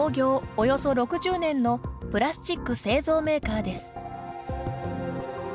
およそ６０年のプラスチック製造メーカーです。